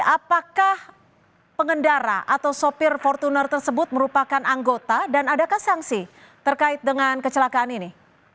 apakah pengendara atau sopir fortuner tersebut merupakan anggota dan adakah sanksi terkait dengan kecelakaan ini